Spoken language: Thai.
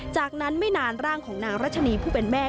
จากนั้นไม่นานร่างของนางรัชนีผู้เป็นแม่